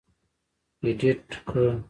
اېډېټ کړ.